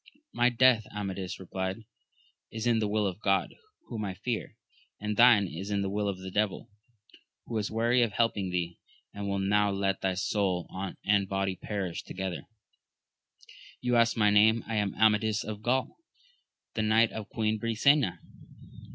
My death, Amadis replied, is in the will of God, whom I fear ; and thine . is in the will of the devil, who is weary of helping thee, and will now let thy soul and body perish to gether. You ask my name : I am Amadis of Gaul, the knight of Queen Brisena.